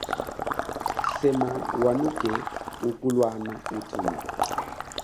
Sema wanuke ukulwana utume.